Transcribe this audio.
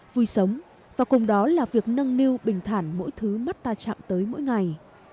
vui sống và cùng đó là việc nâng niu bình thản mỗi thứ mắt ta chạm tới mỗi ngày